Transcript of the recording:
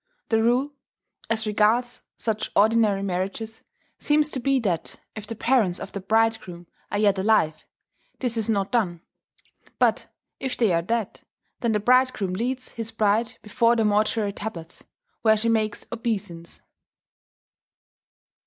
The rule, as regards such ordinary marriages, seems to be that if the parents of the bridegroom are yet alive, this is not done; but if they are dead, then the bridegroom leads his bride before their mortuary tablets, where she makes obeisance.